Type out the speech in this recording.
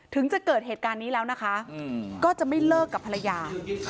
ถึงจะเกิดเหตุการณ์นี้แล้วนะคะก็จะไม่เลิกกับภรรยา